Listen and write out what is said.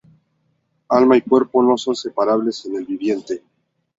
Alma y cuerpo no son separables en el viviente.